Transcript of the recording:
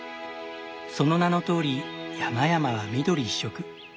その名のとおり山々は緑一色。